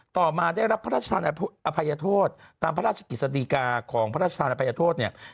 ต่อมาได้รับพระราชอภัยโทษตามพระราชกิจสดีกาของพระราชธานภัยโทษเนี่ย